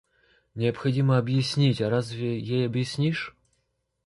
Необходимо объяснить, а разве ей объяснишь?